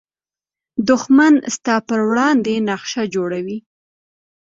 دښمن ستا پر وړاندې نقشه جوړوي